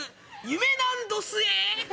夢なんどすえ！